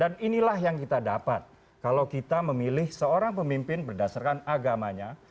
dan inilah yang kita dapat kalau kita memilih seorang pemimpin berdasarkan agamanya